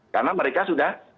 karena mereka sudah